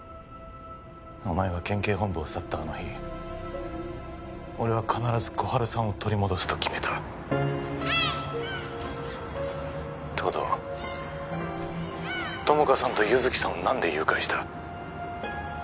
お前が県警本部を去ったあの日俺は必ず心春さんを取り戻すと決めた☎東堂☎友果さんと優月さんを何で誘拐した？